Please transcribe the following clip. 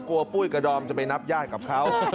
ปุ้ยกระดอมจะไปนับญาติกับเขา